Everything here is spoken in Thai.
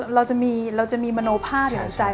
เราจะมีมโมภาษณ์อยู่ในใจ